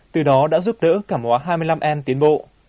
từ đó đã giúp đỡ cả mòa hai mươi năm em tiến bộ